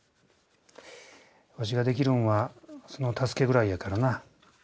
わしができるんはその助けぐらいやからな。